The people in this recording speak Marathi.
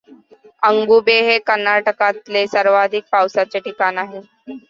अगुंबे हे कर्नाटकातले सर्वाधिक पावसाचे ठिकाण आहे.